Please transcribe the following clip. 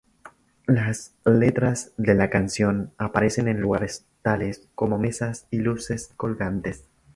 Las letras de la canción aparecen en lugares tales como mesas y luces colgantes.